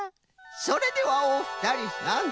それではおふたりさん